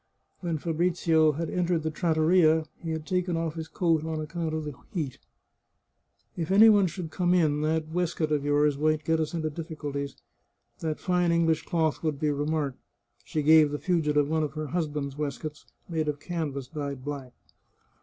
When Fabrizio had entered the trattoria he had taken off his coat on account of the heat. " If any one should come in, that waistcoat of yours might get us into difficulties ; that fine English cloth would be remarked." She gave the fugitive one of her husband's waistcoats, made of canvas dyed black.